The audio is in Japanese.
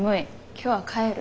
今日は帰る。